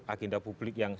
agenda publik yang